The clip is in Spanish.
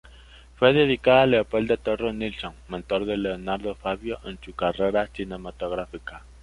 Fue dedicada a Leopoldo Torre Nilsson, mentor de Leonardo Favio en su carrera cinematográfica.